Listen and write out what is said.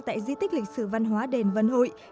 tại di tích lịch sử văn hóa đền văn hội